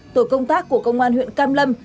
tổ công tác của công an huyện cam lâm